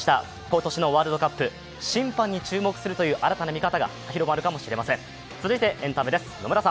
今年のワールドカップ、審判に注目するという新たな見方が広まるかもしれません。